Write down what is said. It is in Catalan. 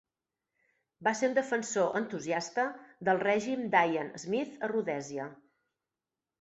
Va ser un defensor entusiasta del règim d'Ian Smith a Rhodèsia.